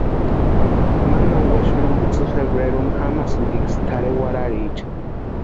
Mantani wexurhini kutsï febreruni jamsïntiksï tʼarhe warharicha.